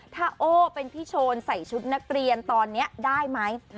ถ้าโอ้เป็นพี่โชนใส่ชุดนักเรียนตอนนี้ได้ไหม